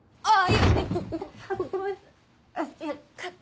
ああ。